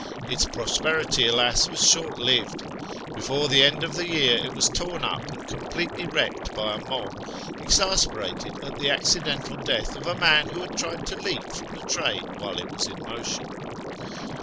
Its prosperity, alas ! was short lived : before the end of the year it was torn up and completely wrecked by a mob, exasperated at the accidental death of a man who had tried to leap from the train while it was in motion.